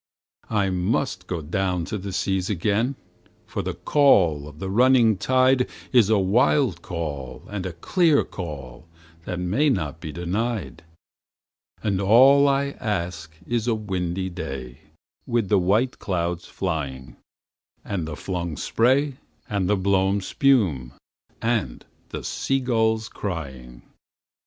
I must down go to the seas again, for the call of the running tide Is a wild call and a clear call that may not be denied; And all I ask is a windy day with the white clouds flying, And the flung spray and the blown spume, and the sea gulls crying.